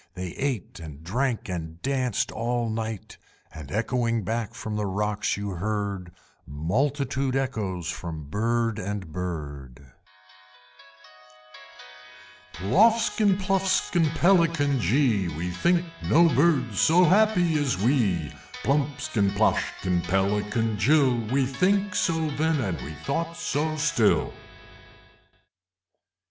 They ate and drank and danced all night, And echoing back from the rocks you heard Multitude echoes from Bird and Bird, Ploffskin, Pluffskin, Pelican jee! We think no Birds so happy as we! Plumpskin, Ploshkin, Pelican jill! We think so then, and we thought so still!